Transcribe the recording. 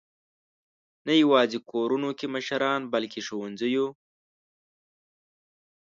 نه یواځې کورونو کې مشران، بلکې ښوونځیو.